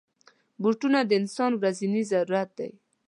بوټونه د انسان ورځنی ضرورت دی.